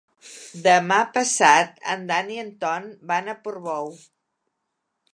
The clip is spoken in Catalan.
Demà passat en Dan i en Ton van a Portbou.